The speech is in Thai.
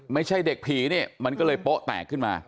ไม่ใช่เด็กผีเนี่ยมันก็เลยโป๊ะแตกขึ้นมา